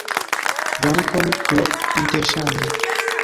Dankon pro interŝanĝo!